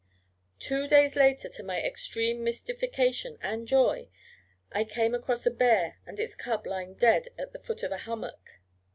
Two days later, to my extreme mystification (and joy), I came across a bear and its cub lying dead at the foot of a hummock.